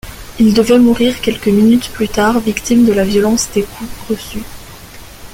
Il devait mourir quelques minutes plus tard, victime de la violence des coups reçus.